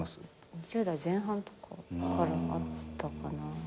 ２０代前半とかからあったかな。